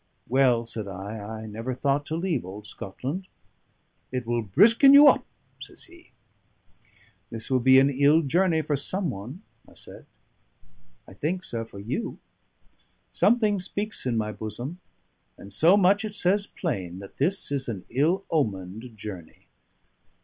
"Well," said I, "I never thought to leave old Scotland." "It will brisken you up," says he. "This will be an ill journey for someone," I said. "I think, sir, for you. Something speaks in my bosom; and so much it says plain that this is an ill omened journey."